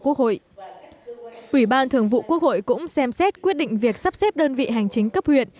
ủy ban thường vụ quốc hội cũng xem xét quyết định việc sắp xếp đơn vị hành chính cấp huyện